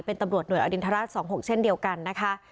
เป็นตำรวจหน่วยอรินทราช๒๖เช่นเดียวกันนะคะ